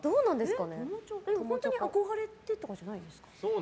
本当に憧れてたんじゃないんですか？